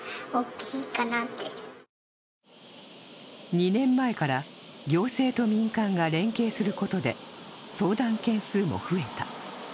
２年前から行政と民間が連携することで相談件数も増えた。